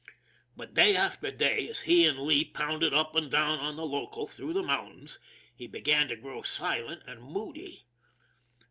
But day after day as he and Lee pounded up and down on the local through the mountains, he began to grow silent and moody.